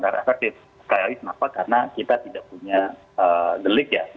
karena kita tidak punya gelik ya